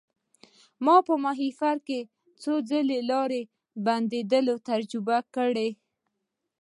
ما په ماهیپر کې څو ځله لارې بندیدل تجربه کړي.